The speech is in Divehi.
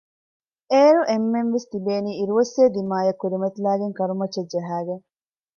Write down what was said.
އޭރު އެންމެންވެސް ތިބޭނީ އިރުއޮއްސޭ ދިމާއަށް ކުރިމަތިލައިގެން ކަރުމައްޗަށް ޖަހައިގެން